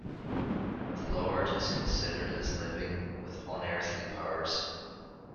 The Lord is considered as living with unearthly powers.